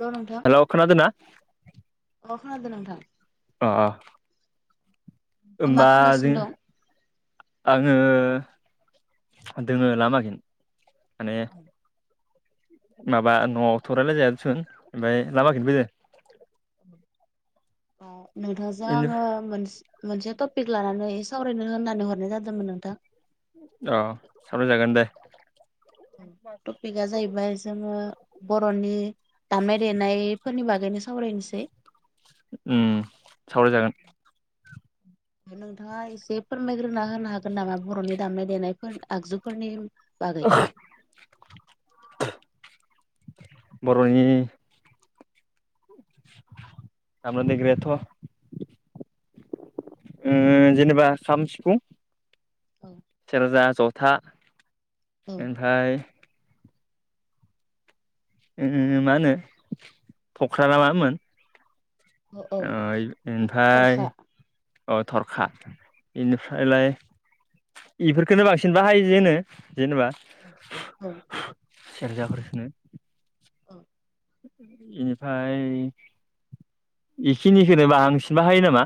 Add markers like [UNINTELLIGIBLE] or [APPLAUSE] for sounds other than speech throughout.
हेल' नोंथां हेलौ खोनादों ना अ खोनादों नोंथां अ अ नोंथाङा मा होमबा खालामगासिनो जों दं? आङो दोङो लामागिन माने माबा न'आव थ रालायजाया सुन ओमफ्राय लामाखैनो फैदों ओ नोंथांजों इनि आङो मोनसे मोनसे टपिक लानानै सावरायनो होननानै हरनाय जादोंमोन नोंथां औ सावराय जागोन दे टपिकआ जाहैबाय जोङो बर'नि दामनाय देनायफोरनि बागैनो सावरायनोसै उम सावराय जागोन नोंथाङा एसे फोरमायग्रोना होनो हागोन नामा बर'नि दामनाय देनायफोर आगजुफोरनि बागै बर'नि दामग्रा देग्रायाथ ओ जेनेबा खाम सिफुं औ सेरजा जथा औ ओमफ्राय ओ मा होनो थख्रा ना मा होनो औ औ ओ ओनिफ्राय थरखा अ थरखा बेनिफ्रायलाय बेफोरखोनो बांसिन बाहायो जेनो जेनेबा औ औ सेरजाफोरखोनो औ इनिफ्राय इखिनिखौनो बांसिन बाहायो नामा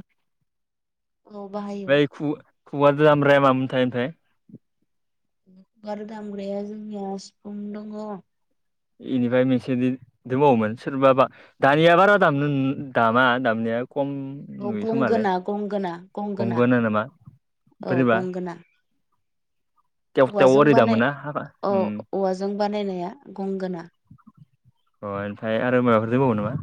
औ बाहायो खु खुवाजों दामग्राया मामोनथाय ओमफ्राय खुगाजों दामग्राया जोंनिया सिफुं दङ इनिफ्राय मोनसे दिन दंबावोमोन सोरबा बा दानिया बारा दाम दामा दामनाया खम औ नुयो खोमालै गंगोना गंगोना गंगोना औ बोरैबा गंगोना तेव तेव औवाजों ओरै बानाय दामोना हाबा औ उम औवाजों बानायनाया गंगोना अ ओमफ्राय आरो मायोबाफोर दंबावो नामा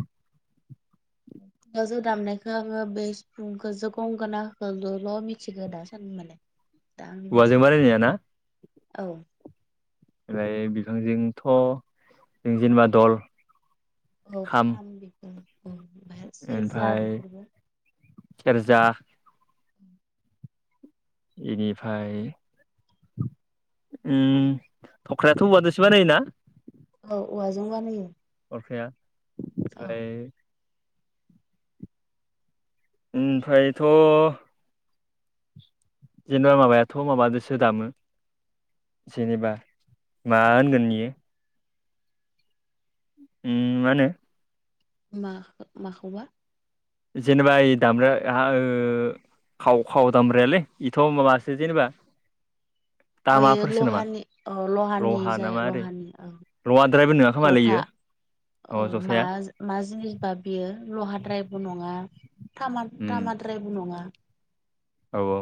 गाजों दामनायखौ आङो बे सिफुंखौ ज गंगोनाखोजोल' मिथिगो दा सान माने दा आंनि औवाजों मिथिनायाव बानायनाया ना औ ओफ्राय बिफांजोंथ' जों जेनेबा दल औ खाम बेखौ ओमफ्राय सेरजा [INAUDIBLE] इनिफ्राय उम थख्रायाथ' औवादोसो बानायोना औ औवाजों बानायो थरखाया औ ओमफ्राय ओमफ्रायथ' जेनेबा माबायाथ' माबादसो दामो जेनेबा मा होनगोन बियो उम मा होनो मा माखौबा जेनेबा ओइ दाम्रा आ खाव खाव दामब्रायालै बेथ' माबासो जेनेबा बैयो दामाफोरसो नामा लहानि औ लहानि जाय लहानि औ लङाद्रायबो नङा खोमाालैयो अ मा जा मा जिनिस बा बियो लहाद्रायबो नङा उम तामाद्रायबो नङा औ औ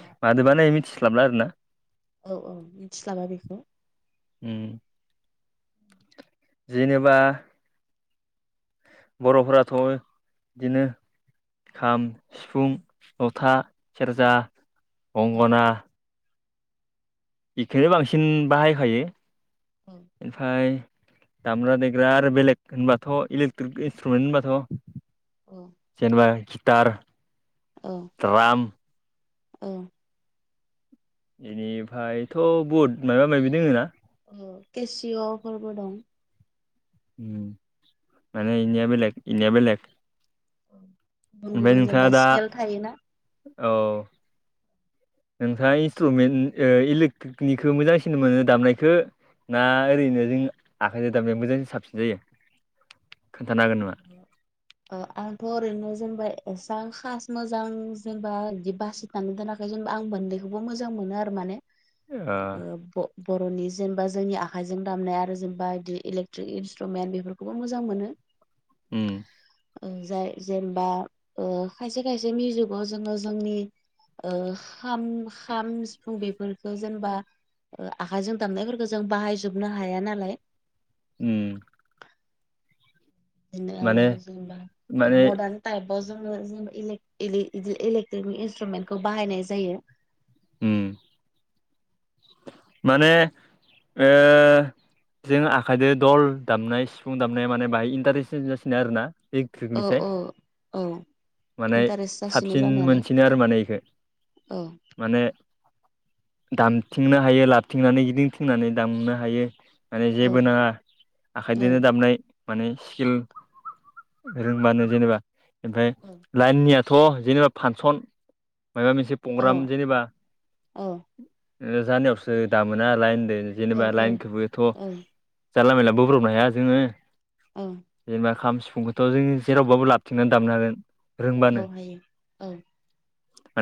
औ माजों बानायो मिथिस्लाबला आरोना औ औ मिथिलाबा बेखौ उम जेनेबा बर'फोराथ' बिदिनो खाम सिफुं जथा सेरजा औ गंगना बेखौनो बांसिन बाहायखायो औ ओमफ्राय दामग्रा देग्रा आरो बेलेग होनबाथ' इलेक्ट्रिक इन्सट्रुमेन्ट होनबाथ' औ जेनेबा गिटार ओ द्राम औ बेनिफ्रायथ' बुहुद माबा माबि दोङो ना अ केसिय'फोरबो दं माने इनिया बेलेग इनिया बेलेग गुबुन ओमफ्राय गुबुन नोंथाङा जेनेबा दा स्केल थायोना औ नोंथाङा इन्सट्रुमेन्ट इलेक्ट्रिकनिखौ मोजांसिन मोनो दामनायखौ ना ओरैनो जों आखाइजों दाबनायजों मोजां साबसिन जायो खोन्थानो हागोन नामा [UNINTELLIGIBLE] ओ आंथ' ओरैनो जेनेबा एसां खास मोजां जेनेबा बिदि बासि दाननो दोनाखै जेनबा आं मोननैखौबो मोजां मोनो आरो माने ओ ब बर'नि जेनबा जोंनि आखाइजों दामनाय आरो जेनबा इदि इलेक्ट्रिक इन्सट्रुमेन्ट बेफोरखौबो मोजां मोनो। उम। ओं जाय जेनबा ओ खायसे खायसे मिउजिकाव जोङो जोंनि ओ खाम- खाम, सिफुं बेफोरखौ जेनेबा ओ आखायजों दामनायफोरखौ जों बाहायजोबनो हाया नालाय उम। बिदिनो आरो माने जेनबा ओ माने मर्दान टाइपाव जोङो इलेक-इलि इदि इलेकट्रिनिक इन्सट्रुमेन्टखौ बाहायनाय जायो। उम। माने ओ जों आखाइदो दल दामनाय, सिफुं दामनाया माने बाहाय इन्टारेस्ट जासिनो आरो ना। औ औ औ। माने इन्टारेस्ट जासिनो साबसिन जानायालाय मोनसिनो आरो माने इखो औ माने दामथिंनो हायो लाबथिंनानै गिदिंथिंनानै दामनो हायो। माने जेबो औ नाङा औ आखाइदोनो दामनाय माने स्किल रोंबानो जेनेबा ओमफाय औ लाइननियाथ' जेनेबा फानसन मायबा मोनसे औ प्रग्राम जेनेबा ओ जानायावसो दामोना लाइनदो। औ जेनेबा लाइनखोबोथ' औ औ जानला-मोला बोब्रबनो हाया जोङो। ओं। जेनेबा खाम सिफुंखौथ' जों जेरावबाबो लाबथिंनानै दामनो हागोन रोंबानो। औ हायो औ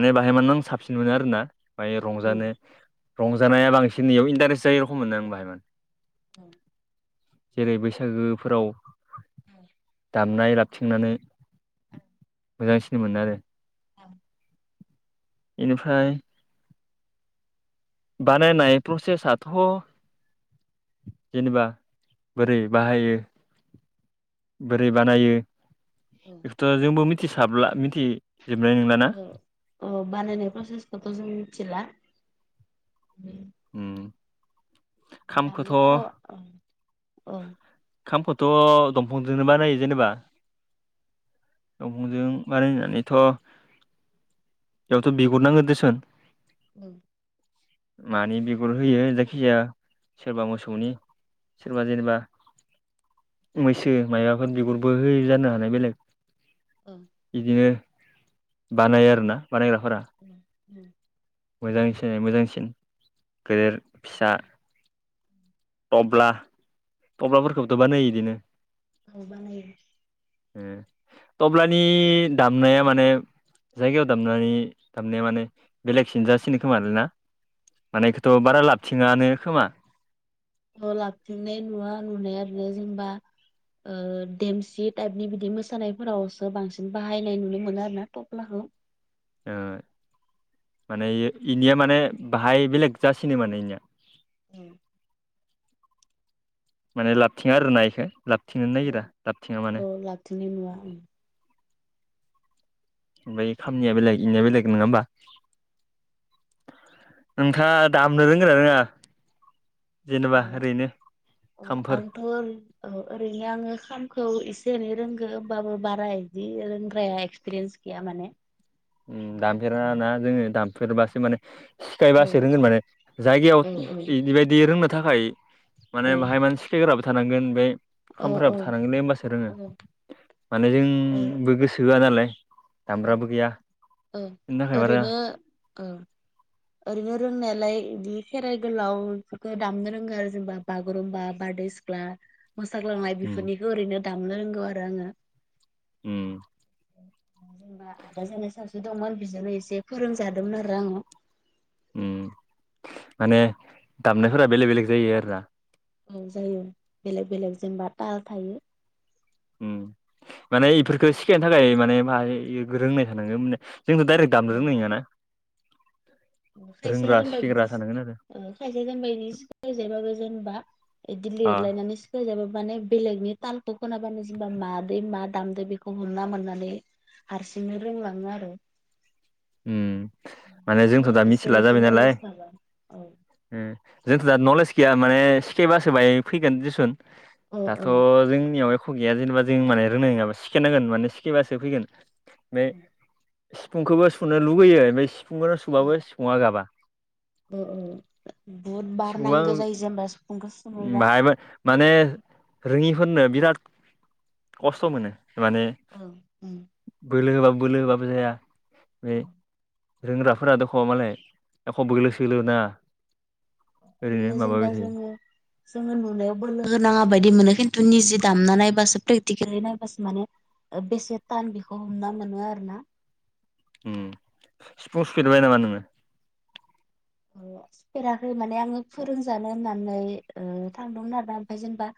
माने बाहाय मान आं साबसिन मोनो आरोना बाय उम रंजानो रंजानाया बांसिन इयाव इन्टारेस्ट जायो रखम मोनो आं बाहाय माने। औ। जेरै बैसागोफोराव औ। दामनाय लाबथिंनानै मोजांसिन मोनो आरो। औ। इनिफाय बानायनाय प्रसेसथ' जेनेबा बोरै बाहायो? बोरै बानायो औ। बेखौथ' जोंबो मिथिसाबला मिथिजोबनाय नोंनाला ना। अ अ बानायनाय प्रसेसखौथ' जों मिथिला उम। उम। खामखौथ' दामनायफोराव औ औ। खामखोथ' दंफंजोंनो बानायो जेनेबा। दफंजों बानायनानैथ' बेयावथ' बिगुर नांगोन देसन औ। मानि बिगुर होयो जायखिजाया सोरबा मोसौनि सोरबा जेनेबा मैसो मैसो मायबाफोर बिगुरबो होयो जानो हानाय औ बेलेग इदिनो बानायो आरोना बानायग्राफोरा उम उम। मोजांसिन मोजांसिन गेदेर-फिसा अब्ला टब्लाफोरखौबोथ' बानायो इदिनो औ बानायो टब्लानि दामनाया माने जायगायाव दामनानै दामनाया माने बेलेगसिन जासिनो खोमालै ना मानेखौथ' बारा लाबथिङानो खोमा लाबथिंनाय नुवा नुनाय आरो जेनबा ओ देमसि टाइपनि बिदि मोसानायफोरावसो बांसिन बाहायनाय नुनो मोनो आरो ना टबलाखौ ओ माने इनिया माने बाहाय बेलेग जासिनो माने इनिया उम माने लाबथिङा आरो ना इखौ औ औ लाबथिंनाय नुवा ओमफ्राय खामानिया बेलेग इनिया बेलेग नोङा होमबा नोंथाङा दामनो रोंगोना रोङा जेनेबा ओरैनो ओ खामफोर आंथ' औ ओरैनो आङो खामखौ एसे एनै रोंगो होमबाबो बारा बिदि रोंदाराया एक्सपिरियेन्स गैया माने दामफेराना जोङो दामफेरबासो माने औ सिखायबासो रोंगोन माने जायगायाव औ इदिबायदि रोंनो थाखाय माने बाहाय मानसि सिखायग्राबो थानांगोन ओमफाय औ खामफ्राबो थानांगोन ने होमबासो रोङो औ माने औ जोंबो गोसो होआ नालाय औ दामग्राबो गैया औ बेनि थाखाय बारा ओरैनो औ ओरैनो रोंनायालाय बिदि खेराइ गोलाव इफोरखो दामनो रोङो आरो जेनेबा बागुरुम्बा बारदै सि ख्ला मोसाग्लांनाय उम बेफोरनिखौ ओरैनो दामनो रोंगौ आरो आङो उम जेनेबा आदा जानाय सासे दंमोन बिजोंनो एसे फोरोंजादोंमोन आरो आङो उम माने दामनायफोरा बेलेग बेलेग जायो आरो ना औ जायो बेलेग बेलेग जेनेबा ताल थायो उम माने इफोरखो सिखायनो थाखाय माने [UNINTELLIGIBLE] रोंनाय थानांगो माने जोंथ' डाइरेक्ट दामनो रोंनाय नोङाना खायसे जेनबा बिदिस आरो खायजाया जेनबाय इदि सिखाय जायाबाबो जेनेबा इदि अ लिरलायनानै जाबाबो माने बेलेगनि तालखौ खोनाबानो जेनेबा मादै मा दामदो बेखौ हमना मोननानै हारसिंनो रोंलाङो आरो [UNINTELLIGIBLE] माने जोंथ' दा एसे मिथिला एसे जाबाय नालाय नलेज थाबा ओ जोंथ' दा नलेज गैया माने सिखायबासो बाय फैगोन दिसुन दाथ' ओ जोंनियाव एख' गैया जेनेबा जों माने रोंनाय नङाबा सिखायनांगोन माने सिखायबासो फैगोन ओमफाय सिफुंखौबो सुनो लुगैयो ओमफाय सिफुंखौनो सुबाबो सिफुङा गाबा औ औ बुहुद बार सिफुङा नांगौ जायो जेनबा सिफुंखौ सुनोबा बाहायबो माने रोङिफोरनो बिराद खस्थ' मोनो माने औ बोलो होबाबो बोलो होबाबो जाया बे रोंग्राफोरा दख' मालाय एख' बोलो सोलो होनाङा ओरैनो जेनबा थायो जोङो जोङो नुनायाव बोलो होनाङा बायदि मोनो खिन्थु निजि दामना नायबासो प्रेकटिकेलि नायबासो माने बेसे थान बेखौ हमना मोनो आरो ना सिफुं सुफेरबाय नामा नोङो सुफेराखै माने आङो फोरोंजानो होननानै थांदोंमोन आरोना ओमफ्राय जेनेबा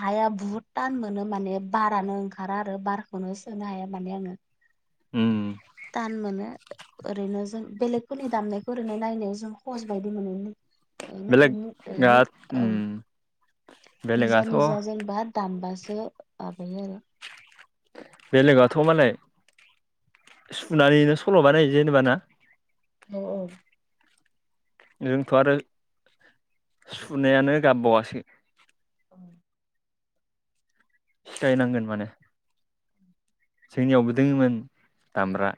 हाया बुहुद तान मोनो माने बारानो ओंखारा आरो बारखौनो सोनो हाया माने आङो उम तान मोनो ओरैनो जों बेलेगफोरनि दामनायखौ ओरैनो नायनायाव जों सहस बायदि मोनोमोन [UNINTELLIGIBLE] बेलेग आ औ उम निजा बेलेगाथ' निजा जेनबा दामबासो माबायो आरो बेलेगथ' मालाय सुनानैनो सल' बानायो जेन'बा ना औ औ जोंथ' आरो सुनायानो गाबबावासो औ सिखायनांगोन माने जोंनियावबो दोङोमोन दामग्रा